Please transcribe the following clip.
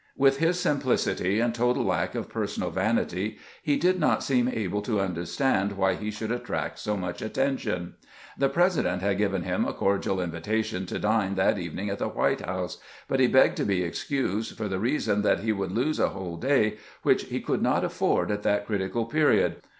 With his simplicity and total lack of personal vanity, he did not seem able to understand why he should attract so much attention. The Presi dent had given him a cordial invitation to dine that evening at the White House, but he begged to be excused for the reason that he would lose a whole day, which he could not afford at that critical period.